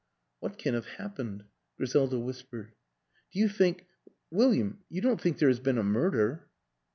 "What can have happened?" Griselda whis pered. a Do you think William, you don't think there has been a murder?